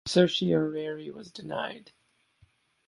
Certiorari was denied.